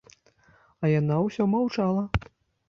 А яна ўсё маўчала.